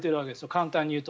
簡単に言うと。